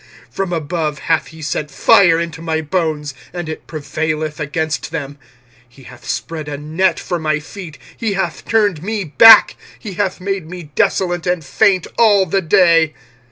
25:001:013 From above hath he sent fire into my bones, and it prevaileth against them: he hath spread a net for my feet, he hath turned me back: he hath made me desolate and faint all the day.